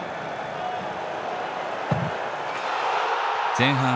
前半